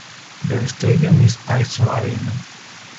Their stadium is Izo Arena.